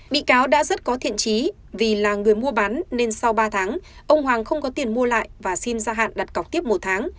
bị cáo đã rất có thiện trí vì là người mua bán nên sau ba tháng ông hoàng không có tiền mua lại và xin gia hạn đặt cọc tiếp một tháng